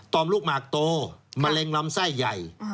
อมลูกหมากโตมะเร็งลำไส้ใหญ่